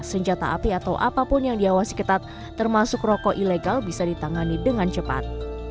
senjata api atau apapun yang diawasi ketat termasuk rokok ilegal bisa ditangani dengan cepat